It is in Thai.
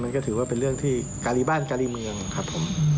ก็ถือว่าเป็นเรื่องที่การีบ้านการีเมืองครับผม